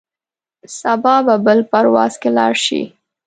سبا به بل پرواز کې لاړ شې.